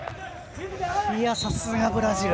さすがブラジル。